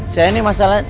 saya ini masalah